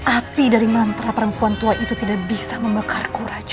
api dari mantra perempuan tua itu tidak bisa membakarku raja